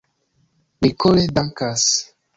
Ni kore dankas.